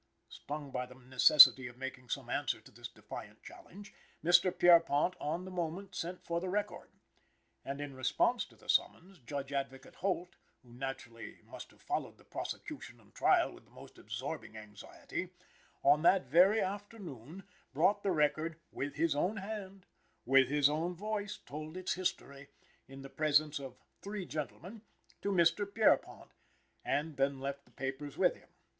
Stung by the necessity of making some answer to this defiant challenge, Mr. Pierrepont on the moment sent for the record. And in response to the summons, Judge Advocate Holt, who naturally must have followed the prosecution and trial with the most absorbing anxiety, on that very afternoon brought the record "with his own hand," "with his own voice" told its history, in the presence of "three gentlemen," to Mr. Pierrepont, and then left the papers with him.